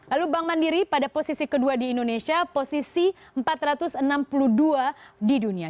lalu bank mandiri pada posisi kedua di indonesia posisi empat ratus enam puluh dua di dunia